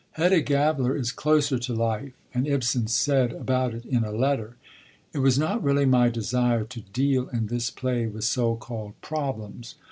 Hedda Gabler is closer to life; and Ibsen said about it in a letter: It was not really my desire to deal in this play with so called problems.